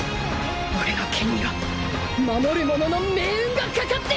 俺の剣には守る者の命運がかかっているんだ！